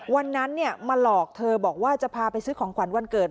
วันนั้นมาหลอกเธอบอกว่าจะพาไปซื้อของขวัญวันเกิด